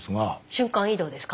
瞬間移動ですか？